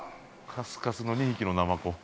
カスカスの２匹のナマコ。